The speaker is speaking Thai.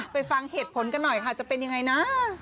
ฟังเหตุผลกันหน่อยค่ะจะเป็นยังไงนะ